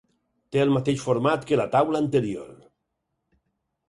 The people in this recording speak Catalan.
Té el mateix format que la taula anterior.